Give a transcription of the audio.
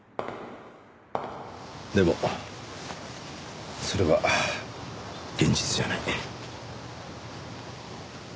でもそれは現実じゃない。